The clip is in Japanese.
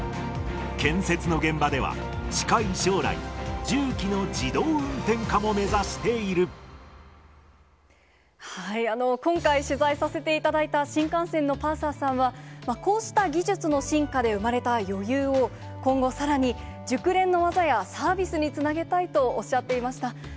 建設の現場では、近い将来、今回、取材させていただいた新幹線のパーサーさんは、こうした技術の進化で生まれた余裕を、今後、さらに熟練の技やサービスにつなげたいとおっしゃっていました。